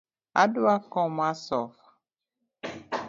Adwa kom mar sofa